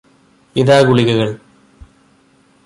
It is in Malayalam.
ഇതാ ഗുളികകൾ